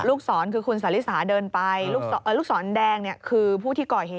ศรคือคุณสาลิสาเดินไปลูกศรแดงคือผู้ที่ก่อเหตุ